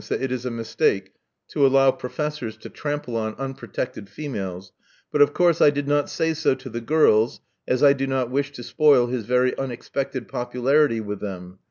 Love Among the Artists 121 to allow professors to trample on unprotected females) but of course I did not say so to the girls, as I do not wish to spoil his very unexpected popularity with them.